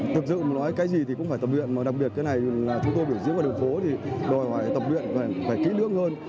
thực sự nói cái gì thì cũng phải tập luyện đặc biệt cái này chúng tôi biểu diễn vào đường phố thì đòi hỏi tập luyện phải kỹ lưỡng hơn